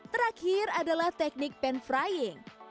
terakhir adalah teknik pan frying